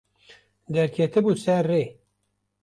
Derketibû ser rê.